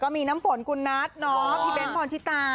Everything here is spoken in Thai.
มีน้ำฝนคุณนัทพี่เบ้นพรชิตา